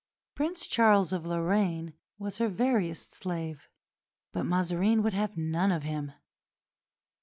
Prince Charles of Lorraine was her veriest slave, but Mazarin would have none of him.